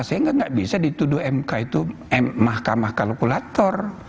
sehingga nggak bisa dituduh mk itu mahkamah kalkulator